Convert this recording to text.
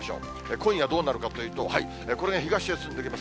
今夜、どうなるかというと、これが東へ進んでいきます。